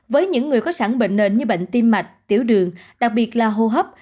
với những người có sẵn bệnh nền như bệnh tim mạch tiểu đường đặc biệt là hô hấp